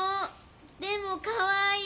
でもかわいい！